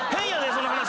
その話。